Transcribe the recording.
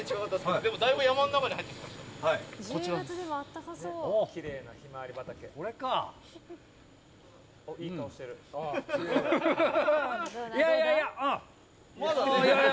でもだいぶ山の中に入ってきました。